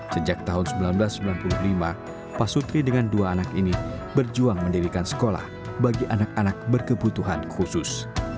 sejak tahun seribu sembilan ratus sembilan puluh lima pak sutri dengan dua anak ini berjuang mendirikan sekolah bagi anak anak berkebutuhan khusus